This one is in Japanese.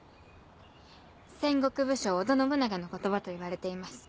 戦国武将織田信長の言葉といわれてます。